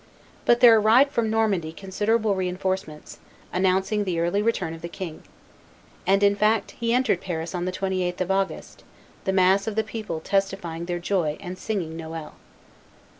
But there arrived from Normandy considerable re enforcements, announcing the early return of the king. And, in fact, he entered Paris on the 28th of August, the mass of the people testifying their joy and singing "Noel."